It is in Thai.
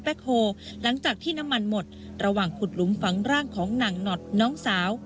หลังจากที่น้ำมันหมดระหว่างขุดหลุมฝังร่างของหนังหนอดน้องสาว